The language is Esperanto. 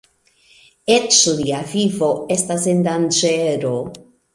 Eĉ lia vivo estas en danĝero.